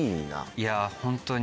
いやホントに。